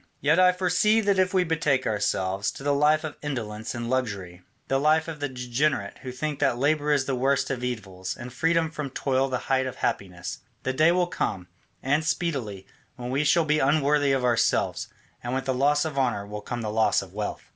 "Yet I foresee that if we betake ourselves to the life of indolence and luxury, the life of the degenerate who think that labour is the worst of evils and freedom from toil the height of happiness, the day will come, and speedily, when we shall be unworthy of ourselves, and with the loss of honour will come the loss of wealth.